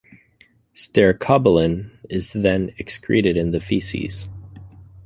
Stercobilin is then excreted in the feces.